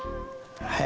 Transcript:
はい。